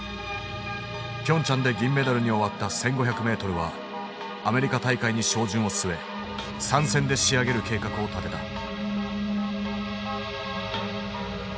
ピョンチャンで銀メダルに終わった１，５００ｍはアメリカ大会に照準を据え３戦で仕上げる計画を立てた。